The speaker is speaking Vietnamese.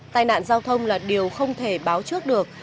tai nạn giao thông là điều không thể báo trước được